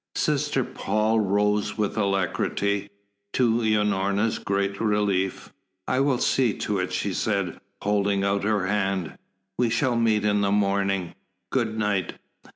Sister Paul rose with alacrity, to Unorna's great relief. "I will see to it," she said, holding out her hand. "We shall meet in the morning. Good night."